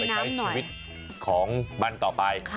มันจะใช้ชีวิตของบ้านต่อไป